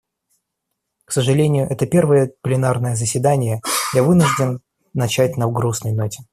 К сожалению, это первое пленарное заседание я вынужден начать на грустной ноте.